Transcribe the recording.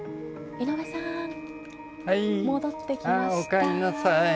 おかえりなさい。